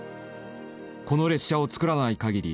「この列車を造らないかぎり